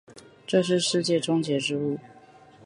这是世界终结之路。